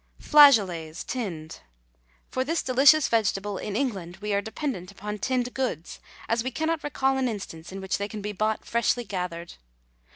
FLAGEOLETS, TINNED. For this delicious vegetable, in England, we are dependent upon tinned goods, as we cannot recall an instance in which they can be bought freshly gathered.